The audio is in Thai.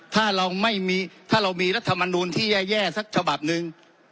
ถ้าเรามีรัฐมนูลที่แย่สักฉบับนึง